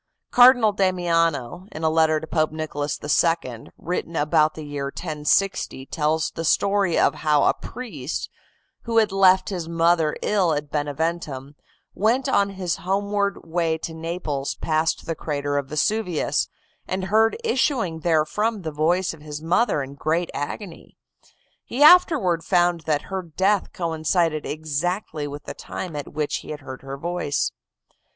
Cardinal Damiano, in a letter to Pope Nicholas II., written about the year 1060 tells the story of how a priest, who had left his mother ill at Beneventum, went on his homeward way to Naples past the crater of Vesuvius, and heard issuing therefrom the voice of his mother in great agony. He afterward found that her death coincided exactly with the time at which he had heard her voice.